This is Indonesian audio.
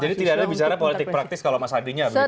jadi tidak ada bicara politik praktis kalau mas andi nya begitu